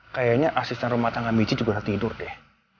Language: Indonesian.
kayaknya asisten rumah tangga michi juga udah tidur deh